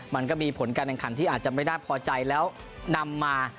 มันก็มีผลการแข่งขันที่อาจจะไม่น่าพอใจแล้วนำมา